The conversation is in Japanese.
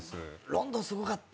ロンドンすごかった。